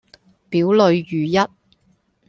表裏如一